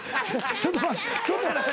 ちょっと待って。